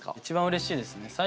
一番うれしいですね。